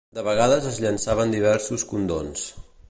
De vegades es llençaven diversos condons.